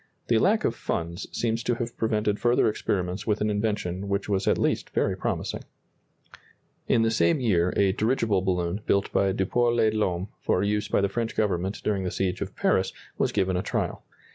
The lack of funds seems to have prevented further experiments with an invention which was at least very promising. [Illustration: Sketch of the De Lome airship.] In the same year a dirigible balloon built by Dupuy de Lome for use by the French Government during the siege of Paris, was given a trial.